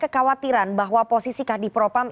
kekhawatiran bahwa posisi kadi propam